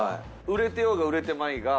売れてようが売れてまいが。